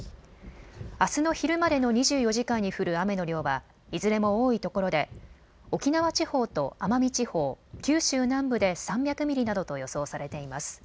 あすの昼までの２４時間に降る雨の量はいずれも多いところで沖縄地方と奄美地方、九州南部で３００ミリなどと予想されています。